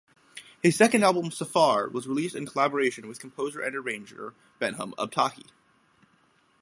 His second album "Safar" was released in collaboration with composer and arranger Behnam Abtahi.